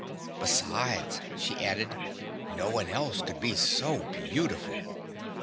Besides," she added, "no one else could be so beautiful."